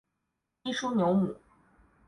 基舒纽姆。